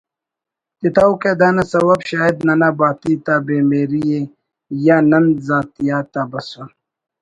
تتوکہ دانا سوب شاید ننا باتی تا بے مہری ءِ یا نن ذاتیات آ بسُن